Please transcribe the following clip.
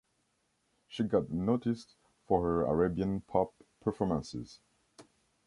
She got noticed for her Arabian pop performances.